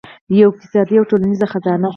یوه اقتصادي او ټولنیزه خزانه.